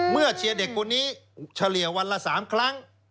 เชียร์เด็กคนนี้เฉลี่ยวันละ๓ครั้ง